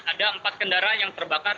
ada empat kendaraan yang terbakar